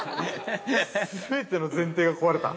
すべての前提が壊れた。